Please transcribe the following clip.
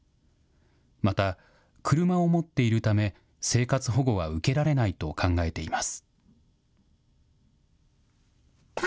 また、車を持っているため、生活保護は受けられないと考えています。